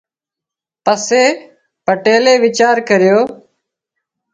پسي پٽيلئي ويچار ڪريو